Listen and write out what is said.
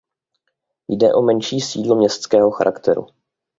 Jde o menší sídlo městského charakteru.